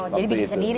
jadi bikin sendiri